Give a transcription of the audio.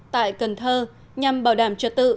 tại cần thơ nhằm bảo đảm trật tự